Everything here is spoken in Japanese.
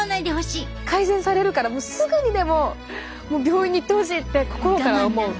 改善されるからもうすぐにでも病院に行ってほしいって心から思う。